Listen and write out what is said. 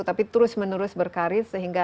tapi terus menerus berkarir sehingga